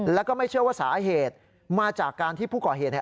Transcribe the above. แล้วก็ไม่เชื่อว่าสาเหตุมาจากการที่ผู้ก่อเหตุเนี่ย